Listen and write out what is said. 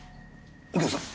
右京さん